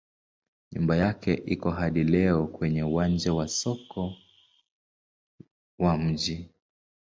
Nyumba yake iko hadi leo kwenye uwanja wa soko wa mji.